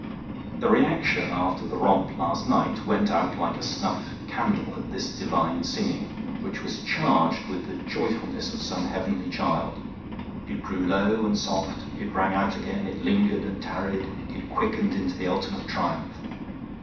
The reaction after the romp last night went out like a snuffed candle at this divine singing, which was charged with the joyfulness of some heavenly child. It grew low and soft, it rang out again, it lingered and tarried, it quickened into the ultimate triumph.